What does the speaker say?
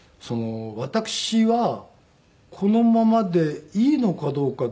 私はこのままでいいのかどうか。